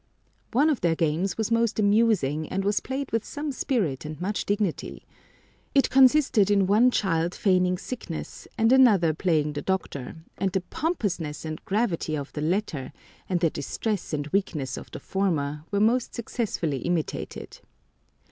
One of their games was most amusing, and was played with some spirit and much dignity. It consisted in one child feigning sickness and another playing the doctor, and the pompousness and gravity of the latter, and the distress and weakness of the former, were most successfully imitated.